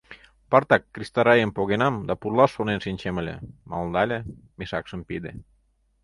— Пыртак криста-райим погенам да пурлаш шонен шинчем ыле, — малдале, мешакшым пиде.